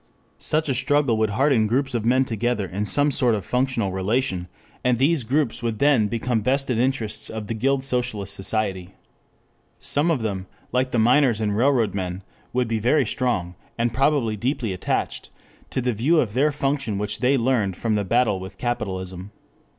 Such a struggle would harden groups of men together in some sort of functional relation, and these groups would then become the vested interests of the guild socialist society. Some of them, like the miners and railroad men, would be very strong, and probably deeply attached to the view of their function which they learned from the battle with capitalism.